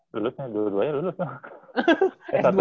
lulusnya dua duanya lulus